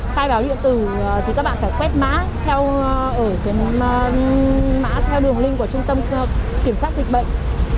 khai báo điện tử thì các bạn phải quét mã theo đường link của trung tâm kiểm soát dịch bệnh